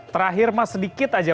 terakhir mas sedikit aja